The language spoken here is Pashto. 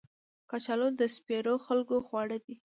کچالو د سپېرو خلکو خواړه دي